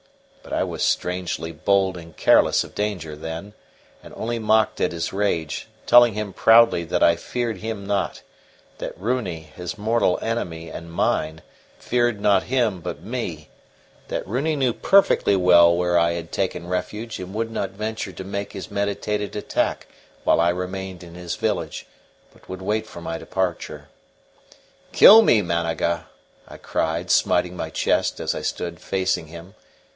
But I was strangely bold and careless of danger then, and only mocked at his rage, telling him proudly that I feared him not; that Runi, his mortal enemy and mine, feared not him but me; that Runi knew perfectly well where I had taken refuge and would not venture to make his meditated attack while I remained in his village, but would wait for my departure. "Kill me, Managa," I cried, smiting my chest as I stood facing him.